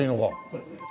そうですね。